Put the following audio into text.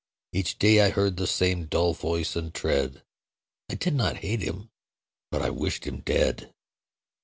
Each day I heard the same dull voice and tread; I did not hate him: but I wished him dead.